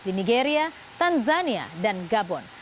di nigeria tanzania dan gabon